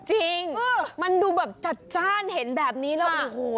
จริงมันดูแบบจัดจ้านเห็นแบบนี้แล้วโอ้โห